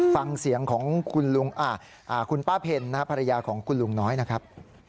ฟังเสียงของคุณป้าเพ็ญนะครับภรรยาของคุณลุงน้อยนะครับ